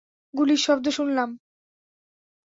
গুলির শব্দ শুনলাম!